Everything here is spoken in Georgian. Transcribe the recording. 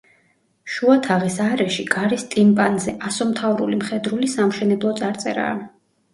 შუა თაღის არეში, კარის ტიმპანზე, ასომთავრული მხედრული სამშენებლო წარწერაა.